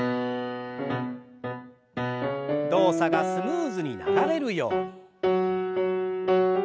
動作がスムーズに流れるように。